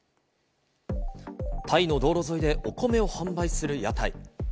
タイの道路沿いでお米を販売する屋台。